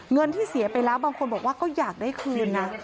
เงินที่เสียไปแล้วบางคนบอกว่าก็อยากได้คืนนะ